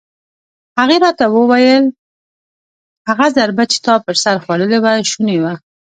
هغې راته وویل: هغه ضربه چې تا پر سر خوړلې وه شونې وه.